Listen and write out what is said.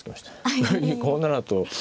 ５七と。